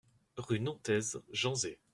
Rue Nantaise, Janzé